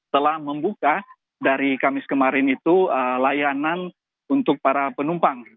telah membuka dari kamis kemarin itu layanan untuk para penumpang